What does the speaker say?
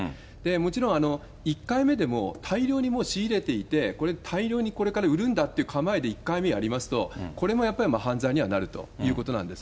もちろん１回目でも大量にもう仕入れていて、これ、大量にこれから売るんだという構えで１回目やりますと、これもやっぱり犯罪にはなるということなんです。